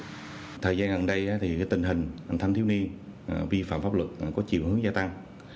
trong thời gian gần đây tình hình hành thanh thiếu niên vi phạm pháp luật có chiều hướng gia tăng